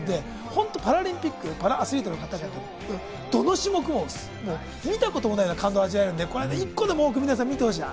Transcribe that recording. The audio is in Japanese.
パラリンピック、パラアスリートの方、どの種目も見たことないような感動を味わえるので１個でも多く見てほしいな。